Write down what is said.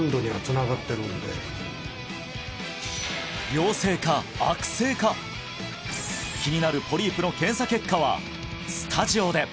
良性か悪性か気になるポリープの検査結果はスタジオで！